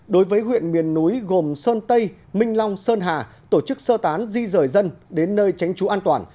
đối với huyện miền núi gồm sơn tây minh long sơn hà tổ chức sơ tán di rời dân đến nơi tránh trú an toàn